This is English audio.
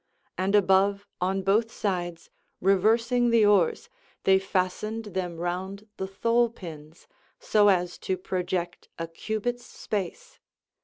And above, on both sides, reversing the oars, they fastened them round the thole pins, so as to project a cubit's space.